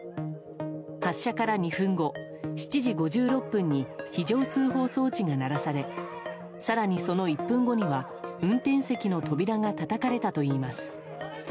発車から２分後、７時５６分に非常通報装置が鳴らされ更に、その１分後には運転席の扉がたたかれたといいます。